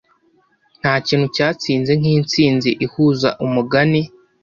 ntakintu cyatsinze nkitsinzi ihuza umugani